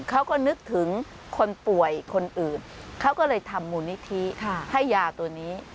เขาก็นึกถึงคนป่วยคนอื่นเขาก็เลยทำมูลนิธิให้ยาตัวนี้